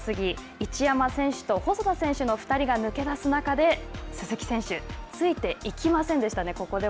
一山選手と細田選手の２人が抜け出す中で、鈴木選手、ついていきませんでしたね、ここで。